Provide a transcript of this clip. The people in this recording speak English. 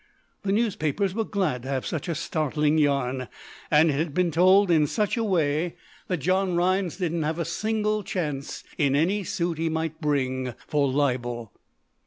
The newspapers were glad to have such a startling yarn, and it had been told in such a way that John Rhinds did not have a single chance in any suit he might bring for libel.